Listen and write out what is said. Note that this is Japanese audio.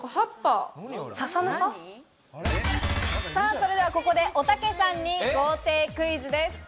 それではここで、おたけさんに豪邸クイズです。